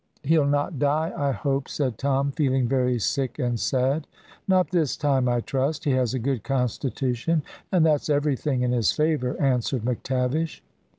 "He'll not die, I hope," said Tom, feeling very sick and sad. "Not this time, I trust. He has a good constitution, and that's everything in his favour," answered McTavish.